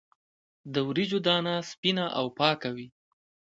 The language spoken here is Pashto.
د وریجو دانه سپینه او پاکه وي.